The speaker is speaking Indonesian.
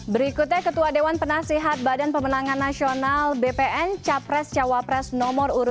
berikutnya ketua dewan penasihat badan pemenangan nasional bpn capres cawapres nomor urut dua